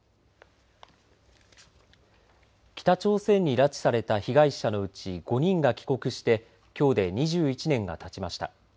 北朝鮮に拉致された被害者のうち５人が帰国してきょうで２１年がたちました。